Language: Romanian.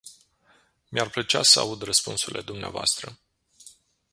Mi-ar plăcea să aud răspunsurile dvs.